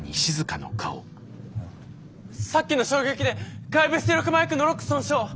さっきの衝撃で外部出力マイクのロック損傷。